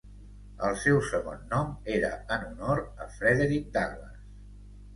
El seu segon nom era en honor a Frederick Douglas.